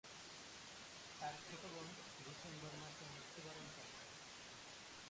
তার ছোট বোন ডিসেম্বর মাসে মৃত্যুবরণ করে।